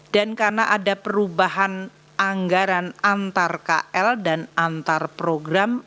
dan karena ada perubahan anggaran antar kl dan antar program